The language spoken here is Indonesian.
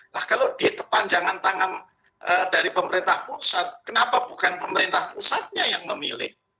nah kalau dia kepanjangan tangan dari pemerintah pusat kenapa bukan pemerintah pusatnya yang memilih